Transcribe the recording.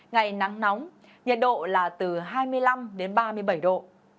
ngày nắng nóng nhiệt độ là từ hai mươi năm đến ba mươi bảy độ